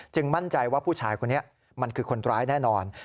มั่นใจว่าผู้ชายคนนี้มันคือคนร้ายแน่นอน